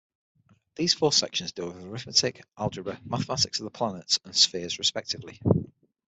These four sections deal with arithmetic, algebra, mathematics of the planets, and spheres respectively.